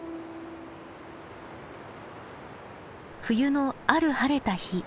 冬のある晴れた日。